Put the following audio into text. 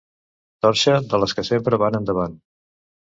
Torxa de les que sempre van endavant.